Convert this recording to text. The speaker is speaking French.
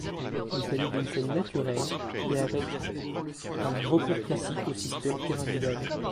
Il s'agit d'une scène naturelle et avec un recours classique au système pyramidal.